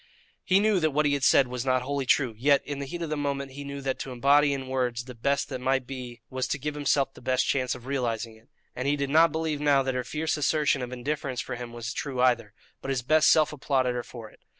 He knew that what he had said was not wholly true, yet, in the heat of the moment, he knew that to embody in words the best that might be was to give himself the best chance of realizing it; and he did not believe now that her fierce assertion of indifference for him was true either, but his best self applauded her for it.